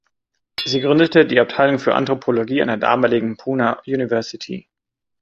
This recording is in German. Sie gründete die Abteilung für Anthropologie an der damaligen Poona University.